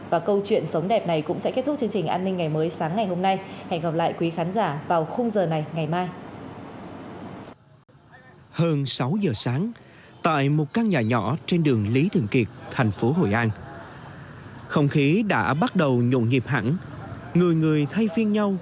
và câu chuyện sống đẹp này cũng sẽ kết thúc chương trình an ninh ngày mới sáng ngày hôm nay